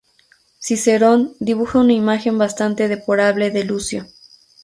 Cicerón dibuja una imagen bastante deplorable de Lucio.